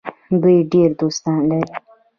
دوی ډیر دوستان لري.